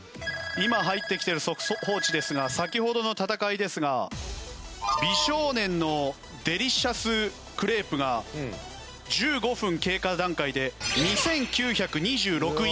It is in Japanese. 今入ってきている速報値ですが先ほどの戦いですが美少年のデリシャスクレープが１５分経過段階で２９２６いいね。